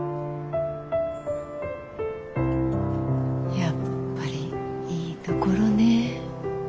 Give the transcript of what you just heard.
やっぱりいいところね。